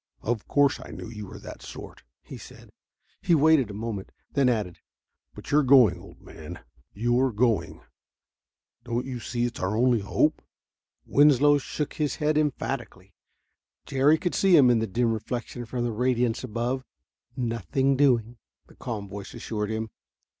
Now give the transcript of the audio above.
"Of course I knew you were that sort," he said. He waited a moment, then added: "But you're going, old man, you're going. Don't you see it's our only hope?" Winslow shook his head emphatically. Jerry could see him in the dim reflection from that radiance above. "Nothing doing," the calm voice assured him.